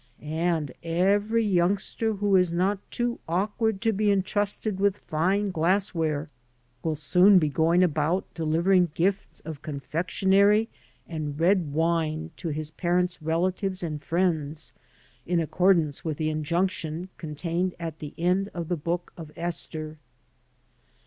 And every youngster who is not too awkward to be intrusted with fine glassware will soon be going about delivering gifts of confectionery and red wine to his parents' relatives and friends, in accord ance with the injunction contained at the end of the Book of Esther.